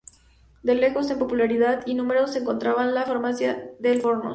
De lejos, en popularidad y número se encontraba "La Farmacia" del Fornos.